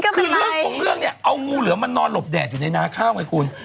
คือเรื่องของเรื่องเนี่ยเอางูเหลือมันนอนหลบแดดอยู่ในนาข้าวไงคุณ